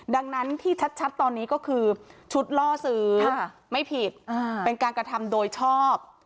ดังนั้นที่ชัดตอนนี้ก็คือชุดล่อซื้อไม่ผิดเป็นการกระทำโดยชอบ